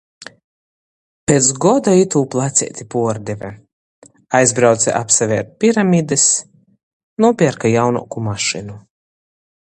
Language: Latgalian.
Piec goda itū placeiti puordeve, aizbrauce apsavērt piramidys, nūpierka jaunuoku mašynu...